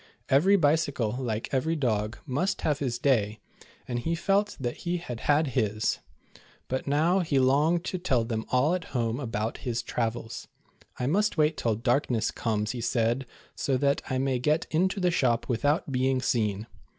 Every bicycle, uke every dog, must have his day, and he felt that he had had his ; but now, he longed to tell them all at home about his travels. " I must wait till darkness comes," he said, "so that I may get into the shop without being seen."